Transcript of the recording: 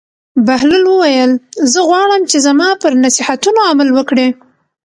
بهلول وویل: زه غواړم چې زما پر نصیحتونو عمل وکړې.